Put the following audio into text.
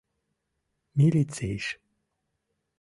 — Милицийыш.